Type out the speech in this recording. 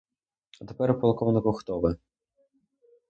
А тепер, полковнику, хто ви?